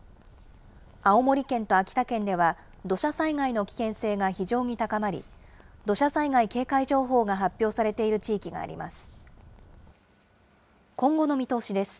青森県と秋田県では、土砂災害の危険性が非常に高まり、土砂災害警戒情報が発表されている地域があります。